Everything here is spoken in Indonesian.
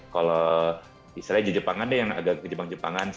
kalau misalnya jepangan deh yang agak ke jepang jepangan